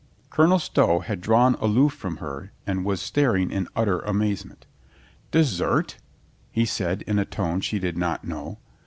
Colonel Stow had drawn aloof from her and was staring in utter amazement. "Desert?" he said in a tone she did not know.